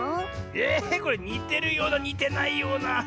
えこれにてるようなにてないような。